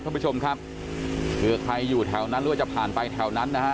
ท่านผู้ชมครับเผื่อใครอยู่แถวนั้นหรือว่าจะผ่านไปแถวนั้นนะฮะ